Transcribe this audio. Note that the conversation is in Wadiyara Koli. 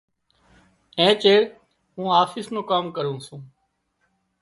اين چيڙ مُون آفيس نُون ڪام ڪرُون سُون۔